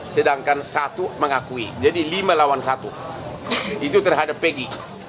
sedangkan satu mengakui jadi lima lawan satu itu terhadap pg